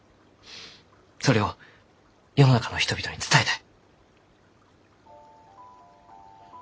それを世の中の人々に伝えたい。